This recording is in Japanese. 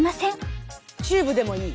チューブでもいい？